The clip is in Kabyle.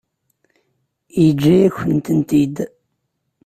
Yeǧǧa-yakent-tent-id.